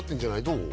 どう？